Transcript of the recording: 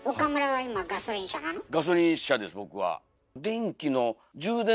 ガソリン車です僕は。